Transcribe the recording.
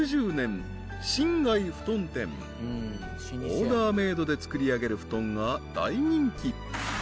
［オーダーメードで作りあげる布団が大人気］